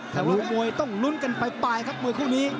แต่ว่ามวยต้องลุนกันไปไปรครับมวยคู่นี้